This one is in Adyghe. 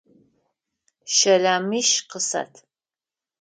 Щэлэмищ къысэт!